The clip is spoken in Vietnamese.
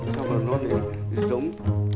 xong rồi nó lại giống